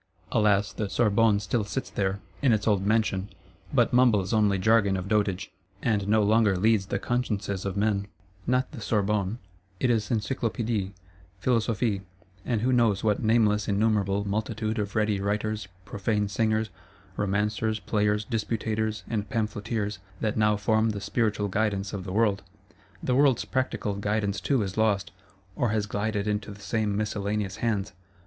Alas, the Sorbonne still sits there, in its old mansion; but mumbles only jargon of dotage, and no longer leads the consciences of men: not the Sorbonne; it is Encyclopédies, Philosophie, and who knows what nameless innumerable multitude of ready Writers, profane Singers, Romancers, Players, Disputators, and Pamphleteers, that now form the Spiritual Guidance of the world. The world's Practical Guidance too is lost, or has glided into the same miscellaneous hands.